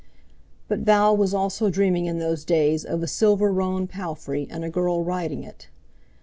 But Val was also dreaming in those days of a silver roan palfrey and a girl riding it.